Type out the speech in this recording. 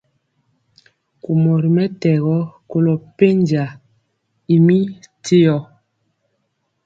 Kumɔ ri mɛtɛgɔ kolo penja y mi téo.